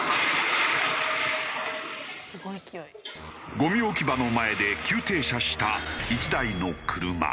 ゴミ置き場の前で急停車した１台の車。